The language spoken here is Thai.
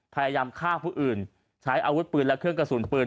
พยายามฆ่าผู้อื่นใช้อาวุธปืนและเครื่องกระสุนปืน